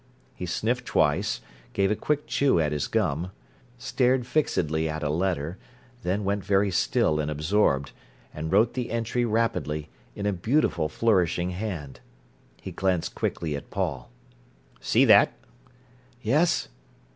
He sniffed twice, gave a quick chew at his gum, stared fixedly at a letter, then went very still and absorbed, and wrote the entry rapidly, in a beautiful flourishing hand. He glanced quickly at Paul. "See that?" "Yes."